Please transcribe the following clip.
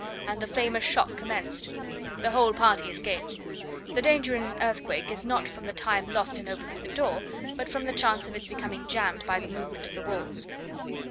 and the famous shock commenced. The whole party escaped. The danger in an earthquake is not from the time lost in opening the door, but from the chance of its becoming jammed by the movement of the walls.